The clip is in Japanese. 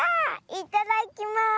いただきます！